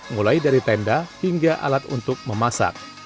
mulai dari tenda hingga alat untuk memasak